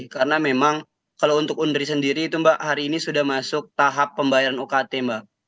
karena memang kalau untuk undri sendiri itu mbak hari ini sudah masuk tahap pembayaran ukt mbak